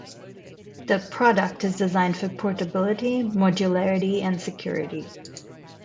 The product is designed for portability, modularity, and security.